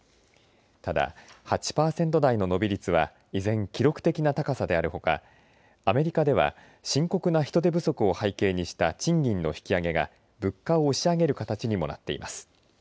ただ８パーセント台の伸び率は依然、記録的な高さであるほかアメリカでは深刻な人手不足を背景にした賃金の引き上げが物価を押し上げる形にもなっています。